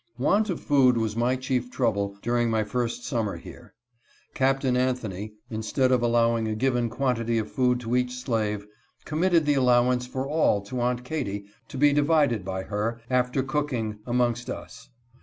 Want of food was my chief trouble during my first summer here. Captain Anthony, instead of allowing a given quantity of food to each slave, (34) AUNT KATY OFFENDED. 35 committed the allowance for all to Aunt Katy, to be di vided by her, after cooking, amongst us.